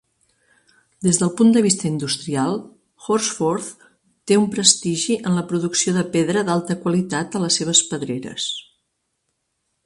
Des del punt de vista industrial, Horsforth té un prestigi en la producció de pedra d'alta qualitat a les seves pedreres.